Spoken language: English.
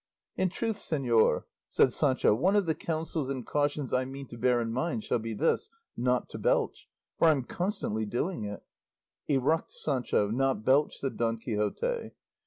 "In truth, señor," said Sancho, "one of the counsels and cautions I mean to bear in mind shall be this, not to belch, for I'm constantly doing it." "Eruct, Sancho, not belch," said Don Quixote.